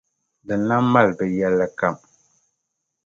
di lan mali bɛ yɛlli kam.